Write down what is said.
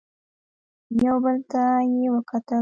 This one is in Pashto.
يو بل ته يې وکتل.